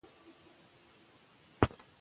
د عمومي کتابونو مطالعه وروسته وکړئ.